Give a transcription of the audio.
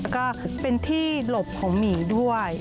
ก็เป็นที่หลบของหมีด้วย